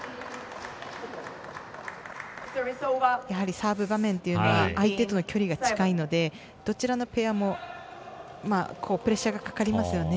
サーブ場面というのは相手との距離が近いのでどちらのペアもプレッシャーがかかりますね。